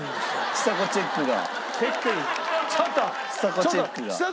ちさ子チェックが。